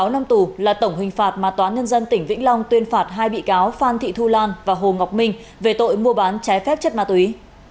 một mươi năm tù là tổng hình phạt mà toán nhân dân tỉnh vĩnh long tuyên phạt hai bị cáo phan thị thu lan và hồ ngọc minh về tội mua bán trái phép chất ma túy